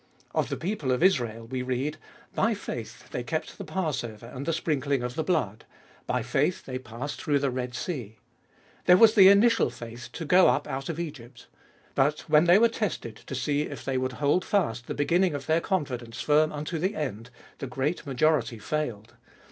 Of the people of Israel we read —" By faith they kept the Passover and the sprinkling of the blood ; by faith they passed through the Red Sea." There was the initial faith to go up out of Egypt. But when they were tested to see if they would hold fast the beginning of their confidence firm unto the end, the great majority failed.